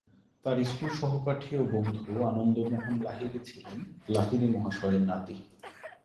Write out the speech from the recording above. তার স্কুল সহপাঠী ও বন্ধু আনন্দ মোহন লাহিড়ী ছিলেন লাহিড়ী মহাশয়ের নাতি।